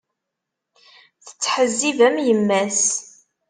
Tettḥezzib am yemma-s.